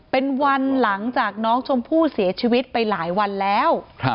เป็นวันหลังจากน้องชมพู่เสียชีวิตไปหลายวันแล้ว